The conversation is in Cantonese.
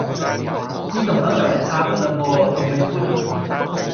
呢幢樓就嚟拆架嘞喎，重未搬呀？